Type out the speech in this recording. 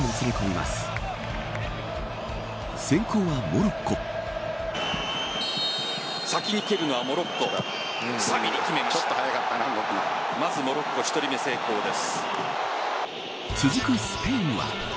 まずモロッコ、１人目成功です。